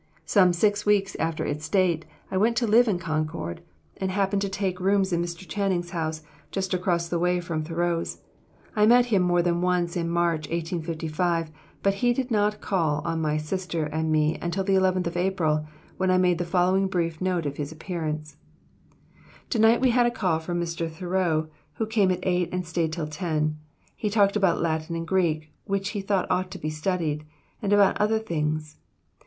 Some six weeks after its date, I went to live in Concord, and happened to take rooms in Mr. Channing's house, just across the way from Thoreau's. I met him more than once in March, 1855, but he did not call on my sister and me until the 11th of April, when I made the following brief note of his appearance: "To night we had a call from Mr. Thoreau, who came at eight and stayed till ten. He talked about Latin and Greek which he thought ought to be studied and about other things.